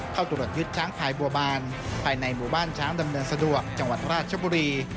เข้าตรวจยึดช้างพายบัวบานภายในหมู่บ้านช้างดำเนินสะดวกจังหวัดราชบุรี